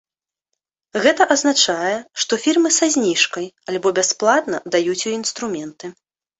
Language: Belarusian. Гэта азначае, што фірмы са зніжкай або бясплатна даюць ёй інструменты.